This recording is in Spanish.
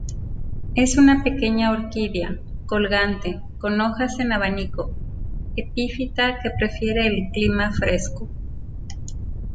Es una pequeña orquídea, colgante, con hojas en abanico, epífita que prefiere el clima fresco.